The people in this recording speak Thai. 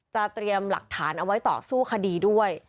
เตรียมหลักฐานเอาไว้ต่อสู้คดีด้วย